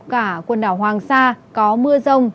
cả quần đảo hoàng sa có mưa rông